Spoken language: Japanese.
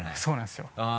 そうなんですよ。